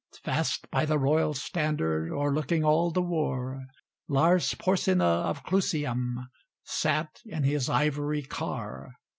Fast by the royal standard O'erlooking all the war, Lars Porsena of Clusium Sate in his ivory car.